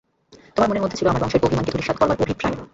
তোমার মনের মধ্যে ছিল আমার বংশের অভিমানকে ধূলিসাৎ করবার অভিপ্রায়।